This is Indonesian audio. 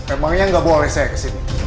emangnya gak boleh saya kesini